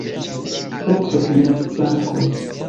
Okdek mil frankoj!